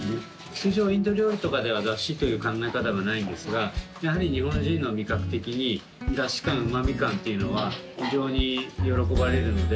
通常インド料理とかではだしという考え方はないんですがやはり日本人の味覚的にだし感うま味感っていうのは非常に喜ばれるので。